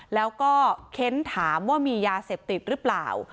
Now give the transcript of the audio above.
แล้วก็เค้นถามว่ามียาเสพติดหรือเปล่า